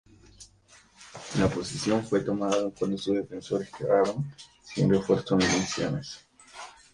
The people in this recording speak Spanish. La posición fue tomada cuando sus defensores quedaron sin refuerzos ni municiones.